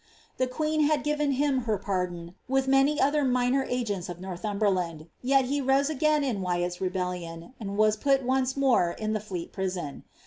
The queen had given him her pardoa, with many other minor agents of Northumberland, yet he rose again is Wyatt's rebellion, and was put onre more in the Fleet Priaon.